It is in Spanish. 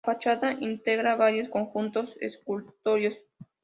La fachada integra varios conjuntos escultóricos.